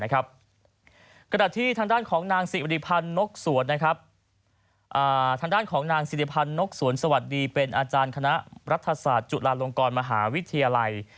กระดาษที่ทางด้านของนางศิริพันธ์นกสวนสวัสดีเป็นอาจารย์คณะรัฐศาสตร์จุฬาลงกรมหาวิทยาลัย